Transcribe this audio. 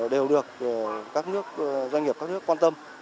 đều được các doanh nghiệp quan tâm